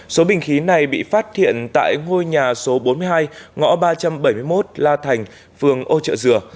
số bình khí này bị phát hiện tại ngôi nhà số bốn mươi hai ngõ ba trăm bảy mươi một la thành phường ô trợ dừa